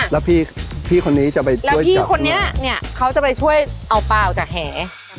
แล้วพี่คนนี้จะไปช่วยจับหรือเปล่าแล้วพี่คนนี้เนี่ยเขาจะไปช่วยเอาเปล่าจากแห